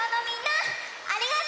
ありがとう！